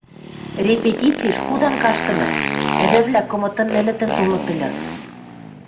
Репетициш худан каштыныт, ӹдӹрвлӓ кымытын-нӹлӹтӹн толыт ыльы